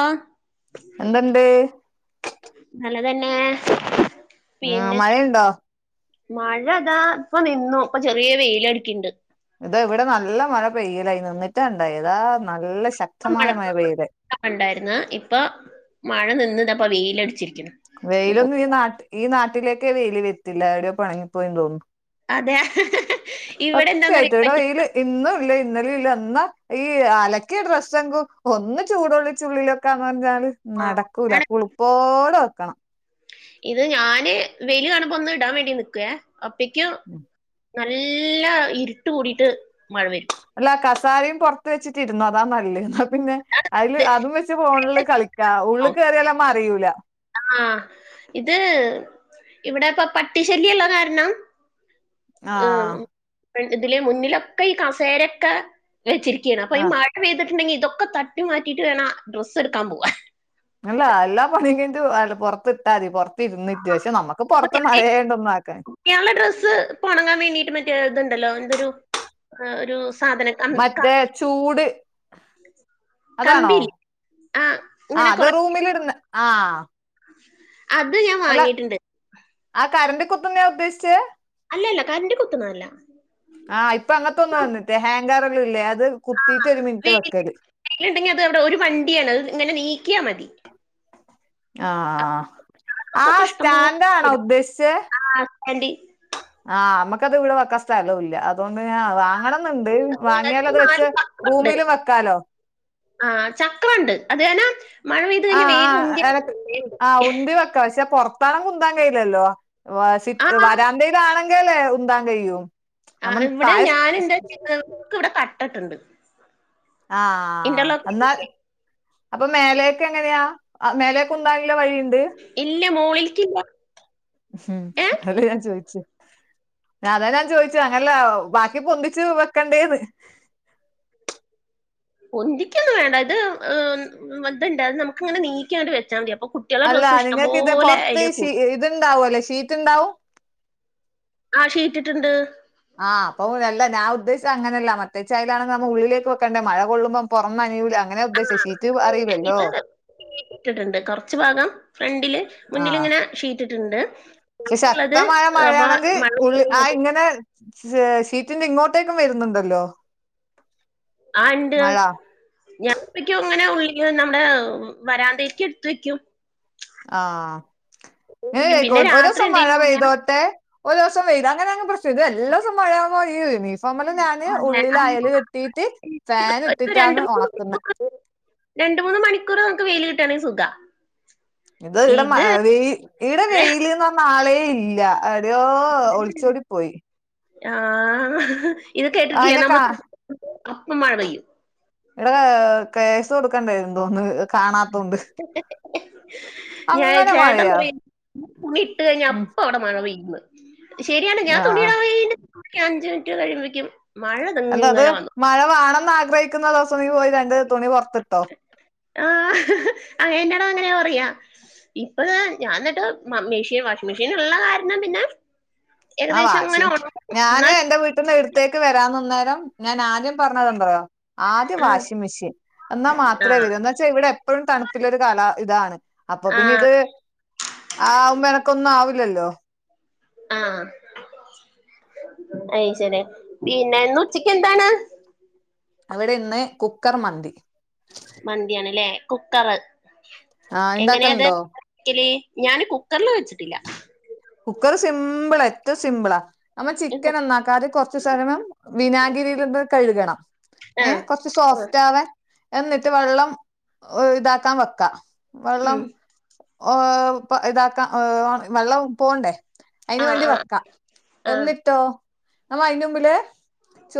ആ എന്തണ്ട് നല്ലതന്നെ ആ പിന്നെ മഴയുണ്ടോ മഴ അതാ ഇപ്പ നിന്നു ഇപ്പൊ ചെറിയ വെയിലടുക്കിണ്ട് ഇത ഇവിടെ നല്ല മഴ പെയ്യലായി നിന്നിട്ട ഇണ്ട താ നല്ല ശക്തമായ മഴ പെയ്ദേ ണ്ടായിരുന്നു ഇപ്പൊ മഴ നിന്ന് ദാപ്പൊ വെയിലടിച്ചിരിക്കണ് വെയിലൊന്നും ഈ നാട്ട് ഈ നാട്ടിലേക്കെ വെയിൽ വെത്തില്ല എടെയോ പണങ്ങിപ്പോയന്ന് തോന്നുന്നു അതെയ സത്യായിട്ടും ഇടെ വെയില് ഇന്നും ഇല്ല ഇന്നലും ഇല്ല എന്നാ ഈ അലക്കിയ ഡ്രസ്സ് എങ്കും ഒന്ന് ചൂടുള്ളിച്ചുള്ളില് ക്കന്ന് പറഞ്ഞാല് ആ നടക്കൂല ആണ്. കുളിപ്പോട് വെക്കണം ഇത് ഞാന് വെയില് കാണുമ്പോ ഒന്ന് ഇടാൻ വേണ്ടി നിക്കുവേ അപ്പയ്ക്കും ഉം നല്ല ഇരുട്ട് കൂടിട്ട് മഴ വരും അല്ല കസാരയും പുറത്ത് വെച്ചിട്ടിരുന്നു അതാ നല്ലെ എന്നാ പിന്നെ അതില് ഇത് അതും വെച്ച് പോണില് കളി ക്ക ഉള്ള് കയറിയാൽ നമ്മ അറിയൂല ആഹ് ഇത് ഇവിടെ ഇപ്പ പട്ടിശല്യള്ള കാരണം ആഹ് ഇതിലെ മുന്നിലൊക്കെ ഈ കസേരൊക്കെ വെച്ചിരിക്കുകയാണ് അപ്പൊ ആ ഈ മ യ്തിട്ടുണ്ടെങ്കി ഇതൊക്കെ തട്ടി മാറ്റിട്ട് വേണം ഡ്രസ്സ്ടുക്കാൻ പോവാൻ അല്ല എല്ലാ പണിയും കഴിഞ്ഞിട്ട് പുറത്തി ഇട്ടാ മതി പുറത്തി ഇരന്നൻ്റെ ശേഷം നമ്മക്ക് ക്ക് പൊറത്ത് മഴയണ്ട ഒന്ന ആക്കാൻ കൾടെ ഡ്രസ്സ് ഇപ്പൊ ഉണങ്ങാൻ വേണ്ടിട്ട് മറ്റേ ഇതുണ്ടല്ലോ എന്തൊരു ഒരു എ ഒരു സാധനം കം- മറ്റേ കം- ചൂട് അതാണോ കമ്പിയില്ലേ ആ ഇങ്ങനെ ആഹ് അത് കുറെ റൂമിലിടുന്നെ ആഹ് അത് ഞാൻ വാങ്ങിയിട്ടുണ്ട് ആഹ് കറണ്ടി കുത്തുന്നയ ഉദ്ദേശിച്ചെ അല്ലല്ല കറണ്ടി കുത്തുന്നതല്ല ആഹ് ഇപ്പൊ അങ്ങനത്തെ ഒന്ന് വന്നിട്ടേ ഹാങ്കറള്ള ഇല്ലേ അത് കുത്തിട്ട ഒരു മിനിറ്റ് വെക്കല് കണ്ടെങ്കിൽ അത് അവിടെ ഒരു വണ്ടിയാണ് അത് ഇങ്ങെ നീക്കിയാ മതി ആഹ് ഡ്രസ്സൊക്കെ ആഹ് ഇഷ്ടംപോലെ സ്റ്റാൻഡ് ആണോ ഇടാം. ഉദ്ദേശിച്ചെ ആൻറ്റി, ആഹ് നമുക്കത് ഇവിടെ വക്ക സ്ഥലവും ഇല്ല അതുകൊണ്ട് ഞാൻ വാ വാങ്ങണന്നുണ്ട് വാങ്ങിയാൽ അത് വെച്ച് റൂമിലും വെക്കാലോ ആഹ് ചക്രുണ്ട് അതുകാണം ആഹ് ആഹ് എനക്ക് ആഹ് ഉന്തി വെക്ക പക്ഷേ പോറത്ത് ണെങ്ക ഉന്താൻ കഴിയില്ലല്ലോ വാ സി ആ വരാന്തയിലാണെങ്കല്ലേ ഉന്താൻ കഴിയു ആഹ് ഇവിടെ ഞൻ എന്താക്ക് [inaudible] ഇവിടെ തട്ടിട്ടുണ്ട് ആഹ് ആഹ് എന്നാൽ അപ്പൊ മേലെക്ക് എങ്ങനെയാ മേലൊക്ക് ഉന്താൻ ഉള്ള വഴിയുണ്ട് ഇല്ല മോളിൽക്കില്ല. മം അതെ ഞാൻ ചോയിചെ. അതാ ഞാൻ ചോയ്ച്ചു അങ്ങനല്ല ബാക്കി പൊന്തിച്ചു വെക്കണ്ടേന്ന്. പൊന്തിക്കൊന്നും വേണ്ട. ഇത് [unintelligible] നമുക്ക്ങ്ങനെ നീകിയണ്ട് വെച്ചാൽ മതി. അപ്പൊ കുട്ടികളുടെ അല്ല ഡ്രസ്സ് നിങ്ങൾക്ക് ഇത് ഇഷ്ടംപോലെ പോറത്ത് അതിൽ ഷീ കൂടും ഇത്ണ്ടാവുല്ലോ ഷീറ്റ് ഉണ്ടാവും. ആഹ് ഷീറ്റ്ട്ട്ണ്ട്. ആഹ് അപ്പം അല്ല ഞാ ഉദ്ദേശിചെ അങ്ങനല്ല മറ്റെച്ചായാലാണ് നമ്മ ഉള്ളിലേക്ക് വെക്കേണ്ടേ മഴ കൊള്ളുമ്പോ പൊറം നനയുലാ. [unintelligible] ശശീട്ടും അറിയുലല്ലോ ട്ടിട്ടുണ്ട്. കൊറച്ചു ഭാഗം ഫ്രണ്ടില് ആഹ് മുന്നിലിങ്ങനെ ഷീറ്റിട്ട്ണ്ട്. ശക്തമായ മഴയാണെങ്കിൽ ഉള് ആ പെയ്യുന്നിട്ട് ഇങ്ങനെ ദേ ഷീറ്റ്ന്റെ ഇങ്ങോട്ടേക്കും വരുന്നുണ്ടല്ലോ? ആണ്ട്. മഴ ഞങ്ങപ്പക്കും ഇങ്ങനെ ഉള്ള നമ്മടെ വരാന്തേക്ക് എടുത്ത് വെക്കും. ആഹ് പിന്നെ [unintelligible] രാത്രി ഒരുസം മഴ എന്തെങ്കിലും പെയ്തോട്ടെ. ഒരുസം വെയിൽ അങ്ങനെആണേ ഇത് എല്ലാ ദിവസം മഴയാവുമ്പോ ഈ യൂണീഫോമല്ലെ ഞാന് ഉള്ളിൽ അയല് കെട്ടിട്ട് ഫാന് ഒരു രണ്ട് ഇട്ടിട്ടാണ് മൂന്ന് മണിക്കൂർ ഒണക്ന്നെ. രണ്ട് മൂന്ന് മണിക്കൂർ നമക്ക് വെയില് കിട്ടയാണെങ്കിൽ സുഖാ. ഇത് ഈടെ മ ഈടെ വെയിൽന്ന് പറഞ്ഞ ആളെ ഇല്ല. അരോ ഒളിച്ചോടി പോയി. ആഹ്. ഇത് കേട്ടിട്ടില്ല അയിനെ നമ്മ കാ [unintelligible] അപ്പ മഴ പെയ്യും. [unintelligible] കേസ് കൊടുക്കണ്ടെരും തോന്ന് കാണാത്തോമ്പ് അങ്ങനെ മഴയാ. തുള്ളിട്ട് കഴിഞ്ഞ ഉം അപ്പവടെ മഴപെയ്യ്ന്ന്. ശരിയാണ് ഞാൻ ആഹ് തുണിയിടാ [unintelligible] അഞ്ച് മിനിറ്റ് കഴിയ്മ്പേക്കും അല്ല അത് മഴ വാണംന്ന് ആഗ്രഹിക്കുന്ന ദിവസം ഇയ്യ് പോയി രണ്ട് തുണി പോറത്തിട്ടോ. ആഹ് എന്റാടെ അങ്ങനെയ പറയാ. ഇപ്പ താ ഞാൻ എന്നിട്ട് മെഷീൻ വാഷിംങ്‌ മെഷീൻ ഉള്ള കാരണം പിന്നെ ആ ഏകദേശം അങ്ങനെ വാഷിങ് ഉണങ്ങും ഞാന് എന്നാൽ എന്റെ വീട്ടിന്ന് ഇട്ത്തേക്ക് വരാന്ന്ന്നേരം ഞാൻ ആ പറഞ്ഞത് ന്താറിയോ ആദ്യം വാഷിംഗ് മെഷീൻ എന്നാൽ ആ മാത്രെ വേരൂ. ചാ ഇവടെ എപ്പോഴും തണുപ്പുള്ള ഒരു കാല ഇതാണ്. അപ്പൊ ആ പിന്നെ ഇത് ആ ആവുമ്പോ എനക്കൊന്നും ആവില്ലല്ലോ. ആഹ് അയ് ശരി. പിന്നെ ന്ന് ഉച്ചക്ക് എന്താണ്? അവിടെ ഇന്ന് കുക്കർ മന്തി. മന്തിയണല്ലേ. കുക്കർ ആ എങ്ങനെയാ അത് ഇണ്ടാക്കലുണ്ടോ ക്കല് ഞാന് കുക്കറില് വെച്ചിട്ടില്ല. കുക്കർ സിമ്പിള് ഏറ്റവും സിമ്പിളാ. നമ്മ ചിക്കൻ ന്നാക്കാത കൊറച്ചു സ വിനാഗിരിലിത് കഴുകണം. ആഹ് ഏഹ് കൊറച്ച് ആഹ് സോഫ്റ്റ് ആവാൻ. എന്നിട്ട് വെള്ളം ഇതാക്കാൻ വെക്ക വെള്ളം. ഉം ഓഹ് ഇതാക്കാം ഓഹ് വെള്ളം പോണ്ടേ അയിന് ആഹ് വേണ്ടി ആഹ് വെക്കാം. ആഹ് എന്നിട്ടോ നമ്മ അയിന് മുമ്പില് ചോ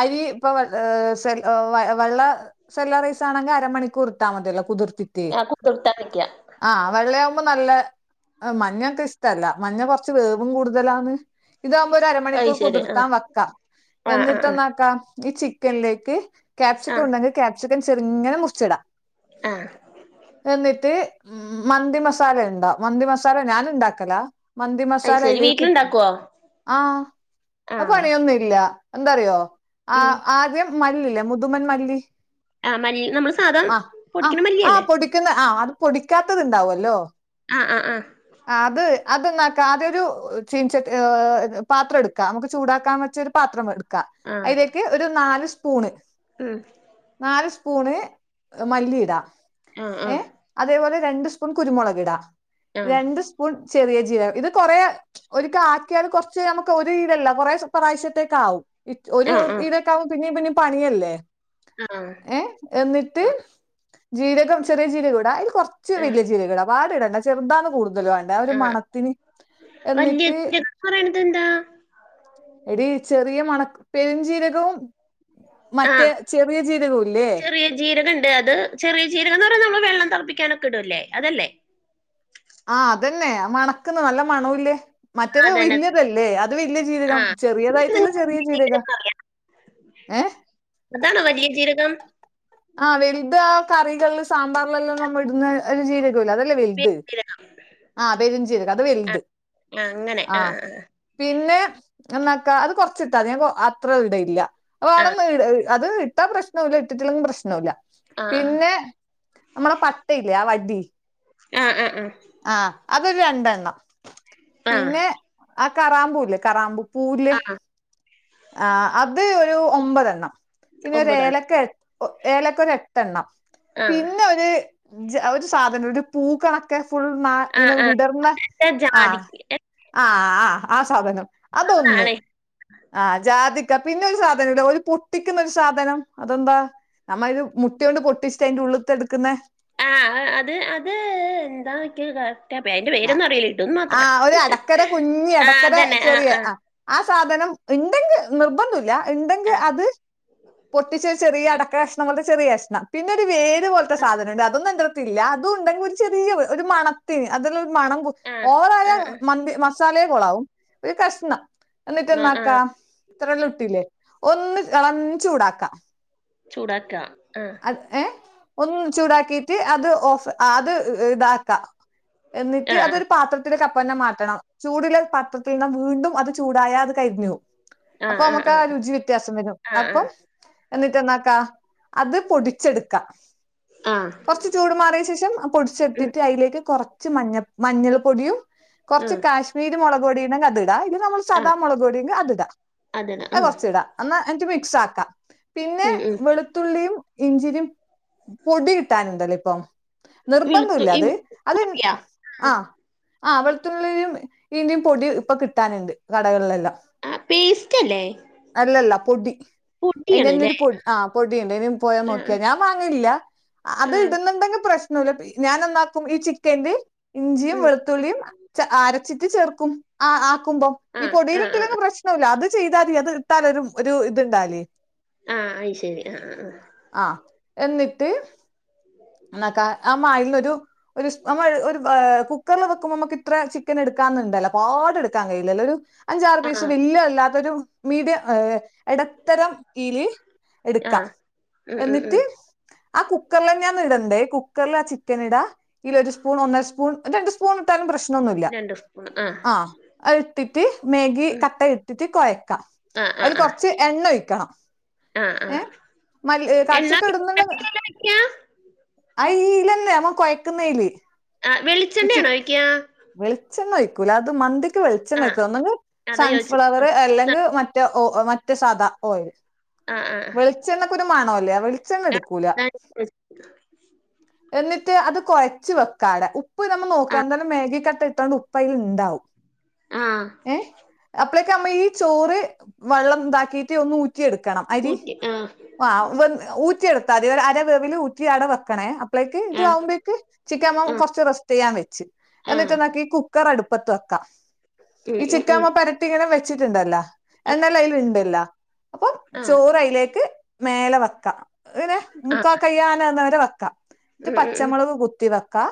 അരി ഇപ്പൊ വെ വെള്ള സല്ല റൈസാണെങ്ക അരമണിക്കൂർ ഇട്ടാ മതിയല്ലോ കുതിർത്തി ഞാൻ കുതിർത്താ വെയ്ക്യ. ആഹ് വെള്ളയാവുമ്പോൾ നല്ല മഞ്ഞക്ക് ഇഷ്ട്ടല്ല മഞ്ഞ കുറച്ച് വേവും കൂടുതലന്ന് ഇതാവുംമ്പോ ഒരു അയ് അരമണിക്കൂർ ശരി ആഹ് കുതിർത്താൻ വെക്കാം. ആഹ് ആഹ് ആഹ് എന്നിട്ടന്നാക്കാം ഈ ചിക്കനിലേക്ക് ക്യാപ്സിക്കം ആഹ് ഉണ്ടെങ്കി ക്യാപ്സിക്കൻ ചെറിങ്ങനെ മുറിച്ടാം ആഹ് എന്നിട്ട് മം മന്തി മസാലണ്ടോ? മന്തി മസാല ഞാന് ഇണ്ടാക്കലാ മന്തി അയ് ശരി മസാലയിലേക്ക്. വീട്ടിലുണ്ടാക്കുവോ? ആഹ് അത് ആഹ് പണിയൊന്നുംല്ല. എന്താറിയോ ആ ഉം ആദ്യം മല്ലില്ലേ മുതുമൻ മല്ലി. ആഹ്, മല്ലി, നമ്മള് സാധാ ആഹ് ആഹ് പൊടിക്കണ മല്ലി അല്ലേ? [unintelligible] ആഹ്, അത് പൊടിക്കാത്തത് ഉണ്ടാവല്ലോ? ആഹ്, ആഹ്, ആഹ്. ആത് അത് എന്നാക്കാ, ആദ്യൊരു ചീൻചട്ടി, പാത്രം എടുക്കാ. നമുക്ക് ചൂടാക്കാൻ പറ്റിയൊരു പാത്രം എടുക്ക ക്ക. ആഹ് അയ്ലേക്ക് ഒരു നാല് സ്പൂണ് ഉം. നാല് സ്പൂണ് മല്ലിയിടാ. ആഹ് ആഹ് ഏഹ്, അതേപോലെ, രണ്ട് സ്പൂൺ കുരുമുളകിടാ, ആഹ് രണ്ട് സ്പൂൺ ചെറിയ ജീരം, ഇത്‌ കൊറെ ഒരിക്കെ ആക്കിയാല് കുറച്ച് നമുക്ക് ഒര് [unintelligible] ഇതല്ല, കുറേ പ്രാവശ്യത്തേക്കാവും. ഒര്, ആഹ് ആഹ് ഇതൊക്കെ ആവുമ്പോ പിന്നേം, പിന്നേം പണിയല്ലേ? ആഹ്. ഏഹ് എന്നിട്ട്, ജീരകം, ചെറിയ ജീരകം ഇടാ. അതിൽ കൊറച്ച് ആഹ് വല്യ ജീരകടാ. വാടിണ്ട, ചെറുതാണ് കൂടുതല് ടാ ഒരു ആഹ് മണത്തിന്. വല്യ എന്നിട്ട് ജീരകം എന്ന് പറയണത് എന്താ? എടീ, ചെറിയ മണ, പെരും ജീരകവും മറ്റേ ആഹ് ചെറിയ ജീരകവുംല്ലേ? ചെറിയ ജീരകണ്ട്, അത് ചെറിയ ജീരകംന്ന് പറേണെ, നമ്മള് വെള്ളം തെളപ്പിക്കാനൊക്കിടൂല്ലേ! അതല്ലേ? ആഹ് അതന്നെ, മണക്ക്ന്ന് നല്ല മണവുല്ലേ! ആ, മറ്റേത് അതന്നെ വല്യതല്ലേ? അത് വല്യ ആ ജീരകം. ചെറിയതായിട്ടുള്ളെ ചെറിയ ജീരകം. ഏഹ്? അതാണോ വല്യ ജീരകം? ആഹ്, വെൽത് ആ.., കറികളില് സാമ്പാറ്ലെല്ലാം നമ്മൾടുന്ന ഒരു ജീര ടൂലെ, അതല്ലേ ചെറിയ വെൽത്. ജീരകം ആഹ്, പെരിഞ്ജീരകം അത് ആ വെൽത്. ആ അങ്ങനെ ആ ആഹ്. പിന്നെ, എന്നാക്കാ അത് കൊർച്ചിട്ടാതി. ഞാൻ അത്ര ഇടയ്ല്ല. അയ് ആ വേണെന്ന്, ഇട അത് ഇട്ടാ പ്രശ്നോല്ല. ഇട്ടിട്ടില്ലെങ്കിലും പ്രശ്നോല്ല. ആ ആ പിന്നെ, നമ്മളെ പട്ടയില്ലേ? ആ വടി, ആഹ്, ആഹ്, ആഹ്. ആഹ്, അതൊരു രണ്ടെണ്ണം. ആ പിന്നെ, ആ കറാമ്പൂല്ലേ? കറാമ്പൂ പൂ ആ ആ ആഹ്, അത് ഒരു ഒമ്പതെണ്ണം. പിന്നെ ഓര് ഒമ്പതാണ് ഏലക്ക, ഏലക്ക ഒരെ ട്ടെണ്ണം. ആ പിന്നെ, ഒരു ഒരു ജാ, ഓര് സാധനം, ഒരു പൂക്കണക്കെ ഫുൾ ന ആ ങ്ങനെ ആ വിടർന്ന, ഇത് ജാതി ആഹ്, ആഹ്, ആഹ്. ആ സാധനം അതൊന്ന് ആണ് ആഹ്, ജാതിക്ക. പിന്നെ, ഒരു സാധനം ല്ലേ? ഒരു പൊട്ടിക്കുന്നൊരു സാധനം, അതെന്താ? നമ്മയൊരു മുട്ടിയോണ്ട് പൊട്ടിചിട്ട് അയ്ന്റെ ഉള്ള്ത്തെടുക്കുന്നെ ആഹ്, അത്, അത് എന്താന്നിക്കൊ രു അയ്ന്റെ പേരൊന്നും അറിയ്‌ല, ഇടുംന്ന് ആ മാത്രം. ഒരു അടക്കര കുഞ്ഞി ആഹ്, അടക്കര അതെന്നെ ആഹ് ചെറിയ ആഹ്. ആ ആ സാധനം ഇണ്ടെങ്കേ നിർബന്തുല്ല. ഇണ്ടെങ്കേ ആ അത് പൊട്ടിച്ച് ഒരു ചെറിയടക്ക കഷണം പോലത്തെ ചെറിയ കഷ്ണം. പിന്നെ, ഒരു വേര് പോലത്തെ സാധനണ്ട്. അതൊന്നും എന്ത ത്തില്ല, അതുണ്ടെങ്കി ഒരു ചെറിയത്, ഒരു മണത്തിന് അതിൽരു മണം, ആ ഓവറായ ആ ആ മന്തി, മസാലയേ കൊളാവും. ഒരു കഷ്ണം എന്നിട്ട് മ- ആ എന്നാക്ക ത്രല്ലോം ഇട്ടിലേ ഒന്ന് ഇളം ചൂടാക്കാ ചൂടാക്ക ആഹ്. ഏഹ്? ഒന്ന് ചൂടാക്കീട്ട്, അത് ഓഫ്, അത് ഇതാക്കാ. എന്നിട്ട്, ആ അതൊരു പാത്ര ത്തില്ക്കപ്പന്നെ മാറ്റണം. ചൂട്ള്ള പത്രത്തീന്ന് വീണ്ടും അത് ചൂടായാ അത് കരിഞ്ഞോവും. ആ ആ അപ്പൊ മ്മക്കാ ആ രുചി വ്യത്യാസം വരും. ആ ആ അപ്പം, എന്നിട്ട് എന്നാക്കാ? അത് പൊടിച്ചെടുക്കാ. ആ കൊർച്ച് ചൂട് മാറിയ ശേഷം ഉം, അപൊടിച്ചെടുത്തിട്ട്, അയ്ലേക്ക് കുറച്ച് മഞ്ഞ, മഞ്ഞൾ പൊടിയും കൊർച്ച് ഉം, കാശ്മീരി മുളക് പൊടിയുണ്ടെങ്കി അത് ഇടാ. ഇല്ലേ നമ്മൾ ആ ആ സാദാമുളക് പൊടിയെങ്കി അത്ടാ. അതന്നെ അത് ഉം, കൊർച്ചിടാ. എന്നാ, എന്നിട്ട് മിക്സ് ആക്കാ. പിന്നെ ഉം, ഉം. വെളുത്തുള്ളിയും ഇഞ്ചിയിം പൊടി കിട്ടാനുണ്ടല്ലോ? ഇപ്പം, വെളുത്തു നിർബന്തൂല്ല ഈ അത്. അത് പൊടിയാ ആഹ്. ആ ഹ്, വെൾത്തുള്ളീയിം ഈന്റിം പൊടി ഇപ്പൊ കിട്ടാനുണ്ട്, കടകളിലെല്ലാം. ആ പേസ്റ്റ് അല്ലേ? അല്ലല്ല പൊടി. പൊടിയാണ്ല്ലേ അയ്‌ന്റെന്നൊരു പൊട് ആ പൊടിയുണ്ട് [unintelligible] പോയാ ആ നോക്കിയാ ആ ഞാൻ മാങ്ങലില്ല. ആ അത് ഇടുന്ന്ണ്ടെങ്കിൽ പ്രശ്നല്ല ഞാനന്താക്കും ഈ ചിക്കന്ല് ഇഞ്ചിയും ഉം വെളു ത്തുള്ളിയും അരച്ചിട്ട് ചേർക്കും ആക്കുമ്പോ ആ ഈ ആ ആ പൊടിയിലിട്ടിലെങ്കി ആ പ്രശ അത് ചെയ്താല് അത് ഇട്ടാലൊരു ഒരു ഇത് ഇണ്ടാവില്ലേ ആഹ് അയി ശരി ആ ആ ആഹ് എന്നിട്ട് എന്നാക്ക ആ മായിന്നൊരു. ഒരു നമ്മൾ ഒരു ഏ കുക്കറില് വെക്കുമ്പോ മ്മക്കിത്ര ചിക്കന് എടുക്കാന്നുണ്ടല്ലോ പാട് എടുക്കാൻ കഴിയില്ലല്ലൊരു അഞ്ചാറ് ആ പീസ് ആ വല്യ അല്ലാത്തൊരു മീഡിയം എടത്തരം ഈല് ആ എട്ക്കാം ഉം ഉം ഉം എന്നിട്ട് ആ കുക്കറിലെന്നാന്നിടണ്ടേ കുക്കർലാ ചിക്കനിടാ ഇലൊരു സ്പൂൺ ഒന്നര സ്പൂൺ രണ്ട് സ് ഫൂണിട്ടാലും പ്രശ്നൊന്നുല്ല രണ്ട് സ്പൂൺ ആ ആഹ്. അത് ഇട്ടിട്ട് മേഗി ഉം കട്ട ഇട്ടിട്ട് കൊയക്കാം ആ ആ അതില് ആ കൊറച്ച് എണ്ണ ഒയിക്കണം ആ ആ ഏഹ് മല്ല് കടച്ചക്ക ഇടുന്ന്ണ്ടെന്ന് വെക്കാ അയ്ലന്നെ നമ്മ കൊയ്ക്കുന്നേല് ആഹ് വെളിച്ചെണ്ണ ആണോ ഒഴിക്കുക്കാ വെളിച്ചെണ്ണ ഒഴിക്കൂല്ല അത് മന്തിക്ക് ആ വെളിച്ചെണ്ണയ്ക്കും ഒന്നെങ്കി അതാ ചോദിച്ചത് ആ സൺഫ്ലവറ് ആ അല്ലെങ്കി മ റ്റ ഓഹ് മറ്റേ സാധാ ഓയിൽ ആ ആ ആ, വെളിച്ചെണ്ണക്കൊരു മണയില്ലേ വെളിച്ചെണ്ണ എടുക്കൂലേ അതാ ഞാൻ ചോദിച്ചത് എന്നിട്ട് അത് കൊഴച്ച് വെക്കാട ഉപ്പ് നമ്മൾ ആ നോക്കാന്താലും മേഗി കട്ട ഇട്ടോണ്ട് ഉ പ്പയില്ണ്ടാവും. ആഹ് ഏഹ് അപ്പളേക്കും അമ്മ ഈ ചോറ് വെള്ളം ഇതാക്കീട്ട് ഒന്ന് ഊറ്റിയെട് ക്കണം അരി ഊറ്റി ആ ആഹ് വെ ഊറ്റിയെടുത്താല് ഒരു അര വേവില് ഊറ്റി അട വെക്കണേ അ പ്ലേക്ക് ഇത് ആ ആവുമ്പഴെക്ക് ചിക്കൻമ്മ ആ കെറച്ച് റെസ്റ്റ് ചെയ്യാൻ വെച്ച് ആ എന്നിട്ട് നക്കി കുക്കറ് അടുപ്പത്ത് വെക്കാം ഉം ഈ ഉം ഉം ചിക്കാമ്മ പെരട്ടി ഇങ്ങനെ വെച്ചിയിട്ടുണ്ടല്ലോ ആ എന്നാല് അയിലിണ്ടില്ല അപ്പൊ ആ ചോറ് അയിലേക്ക് മേലെ വെക്കാം ഇങ്ങനെ ആ മുക്കാകയ്യാനന്നവരെ വെക്കാം എന്നിട്ട് ഉം ഉം ഉം പച്ചമുളക് കുത്തി വെക്കാ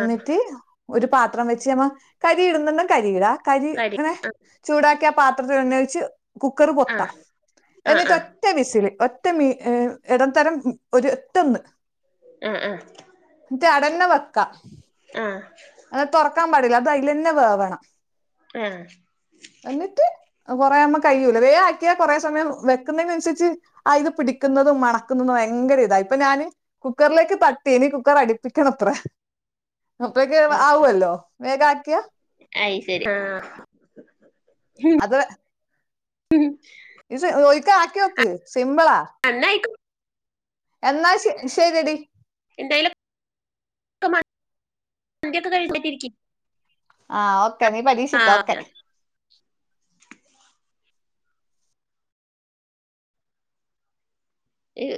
ആ ഒരു പാത്രം വെച്ച് നമ്മ കരി ഇടുന്ന്ണ്ടേ കരി ഇടാ കരി ഇങ്ങനെ ചൂടാക്കിയ ആ പാത്രത്തിൽ എണ്ണ ഒഴിച്ച് കുക്കറ് ആ പൊത്താം ആ എന്നിട്ട് ആ ഒറ്റ വിസില് ഒറ്റ മീ ഇടത്തരം ഒര് ഒറ്റൊന്ന് ആഹ് ആഹ് റ്റ് അടന്ന വെക്കാ ആഹ് അത് തുറക്കാൻ പാടില്ല അത് അയിലന്നെ വേവണം. ആഹ് എന്നിട്ട് കൊറെ ആമ്പ കഴിയുലെ വേ ആക്കിയാ കൊറെ സമയം വെക്കുന്നേനനുസരിച്ച് ആഹ് ഇത് പിടിക്കുന്നതും മണക്കുന്നതും ഭയങ്കര ഇതാ ഇപ്പൊ ഞാന് കുക്കറിലേക്ക് തട്ടി ഇനി കുക്കർ അടിപ്പിക്കണത്രേ അപ്പഴേ ആഹ് ആവുവല്ലോ വേഗാക്കിയ അയ് ശരി ആഹ് അത് ഉം ഇത് ഒയിക്ക് ആക്കിവെക്ക് സിമ്പിളാ നന്നായിട്ടും എന്നാ ശ ശരിയെടി [unintelligible] ആഹ് ഓക്കെ നീ പരീക്ഷിക്ക് ഓക്കെ ഈട്